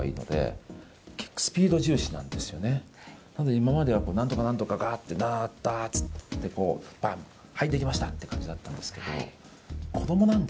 今までは何とか何とかガーッダーッダーッつってバンッはいできましたって感じだったんですけどうん